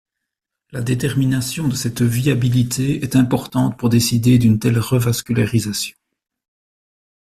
La détermination de cette viabilité est importante pour décider d'une telle revascularisation.